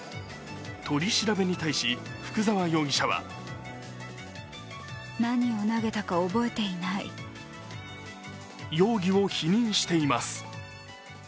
取り調べに対し福沢容疑者は容疑を否認しています。